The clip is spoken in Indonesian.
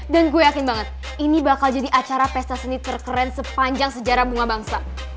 dan gue yakin banget ini bakal jadi acara pesta seni terkeren sepanjang sejarah bunga bangsa